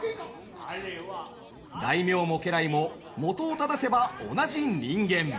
大名も家来も本を正せば同じ人間。